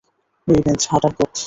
এই বেঞ্চ, হাঁটার পথ।